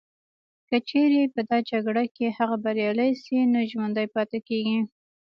که چیري په دا جګړه کي هغه بریالي سي نو ژوندي پاتیږي